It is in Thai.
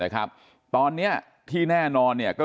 ครับตอนนี้ที่แน่นอนเนี่ยก็